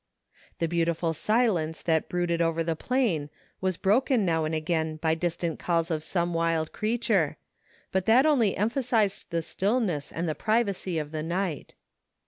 The beautiful silence that brooded over the plain was broken now and again by distant calls of some wild creature, but that only emphasized the stillness and the privacy of the night.